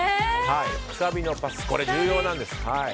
くさびのパス、これ重要なんです。